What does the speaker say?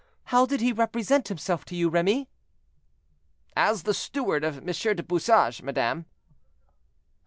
How did he represent himself to you, Remy?" "As the steward of M. du Bouchage, madame."